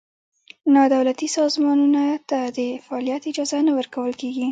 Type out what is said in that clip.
نا دولتي سازمانونو ته د فعالیت اجازه نه ورکول کېږي.